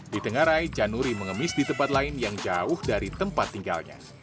di tengah rai januri mengemis di tempat lain yang jauh dari tempat tinggalnya